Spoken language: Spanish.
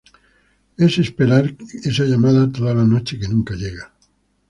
Es esperar esa llamada toda la noche que nunca llega.